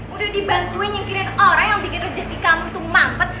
udah dibantuin nyingkirin orang yang bikin rezeki kamu tuh mampet